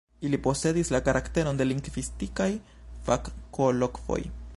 Ili posedis la karakteron de lingvistikaj fakkolokvoj.